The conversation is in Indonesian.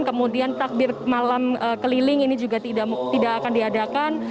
kemudian takbir malam keliling ini juga tidak akan diadakan